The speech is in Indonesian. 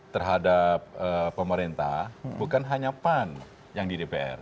terhadap pemerintah bukan hanya pan yang di dpr